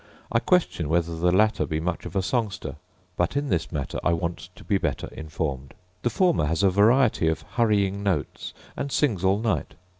I question whether the latter be much of a songster; but in this matter I want to be better informed. The former has a variety of hurrying notes, and sings all night.